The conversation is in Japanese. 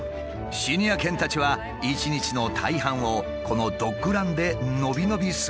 シニア犬たちは一日の大半をこのドッグランで伸び伸び過ごしているという。